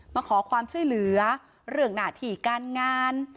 มาขอความช่วยเหลือเรื่องหน้าที่การงาน